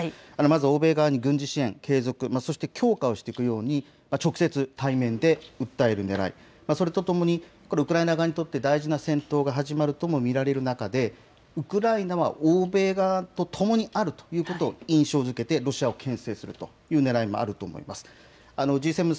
欧米側に軍事支援継続、そして強化をしていくように直接対面で訴えるねらい、それとともにウクライナ側にとって大事な戦闘が始まるとも見られる中でウクライナは欧米側とともにあるということを印象づけてロシアをけん制するというねらいもあると思います。